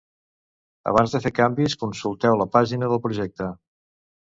Abans de fer canvis, consulteu la pàgina del projecte.